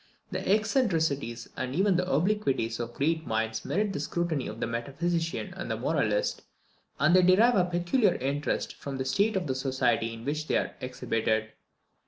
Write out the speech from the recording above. The eccentricities and even the obliquities of great minds merit the scrutiny of the metaphysician and the moralist, and they derive a peculiar interest from the state of society in which they are exhibited.